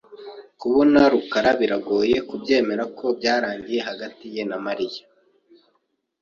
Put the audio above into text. S] [T] Kubona rukarabiragoye kubyemera ko byarangiye hagati ye na Mariya.